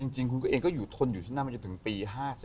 จริงคุณก็เองก็ทนอยู่ที่น้ำอยู่ถึงปี๕๔